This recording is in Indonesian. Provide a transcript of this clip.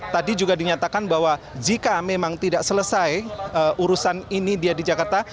tadi juga dinyatakan bahwa jika memang tidak selesai urusan ini dia di jakarta